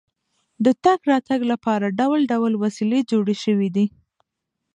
د تګ راتګ لپاره ډول ډول وسیلې جوړې شوې دي.